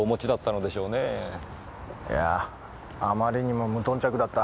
いやあまりにも無頓着だった。